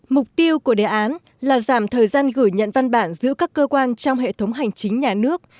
mục tiêu của đề án là giảm thời gian gửi nhận văn bản giữa các cơ quan trong hệ thống hành chính nhà nước